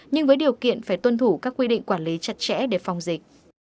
nhưng với điều kiện phải tuân thủ các quy định quản lý chặt chẽ để phòng dịch